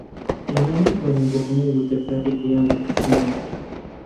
ئێمە ناتوانین بۆ هەموو وردەکارییەک لێیان بپرسینەوە